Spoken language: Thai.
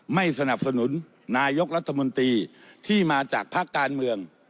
ไม่สนับสนุนนายกรัฐมนตรีที่มาจากภาคการเมือง